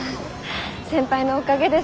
先輩のおかげです。